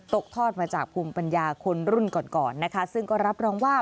ตกทอดมาจากภูมิปัญญาคนรุ่นก่อนก่อนนะคะซึ่งก็รับรองว่า